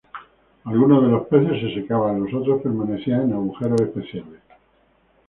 Algunos de los peces se secaban, los otros permanecían en agujeros especiales.